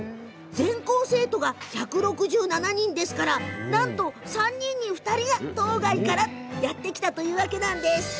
全校生徒が１６７人ですからなんと３人に２人が島外からやってきているんです。